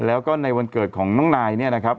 แล้วก็ในวันเกิดของน้องนายเนี่ยนะครับ